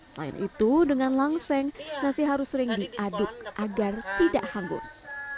selain itu dengan langseng nasi harus sering diaduk agar tidak hangus